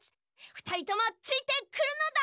ふたりともついてくるのだ！